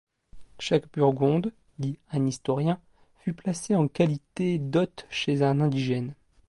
Chaque Burgonde, dit un historien, fut placé en qualité d'hôte chez un indigène.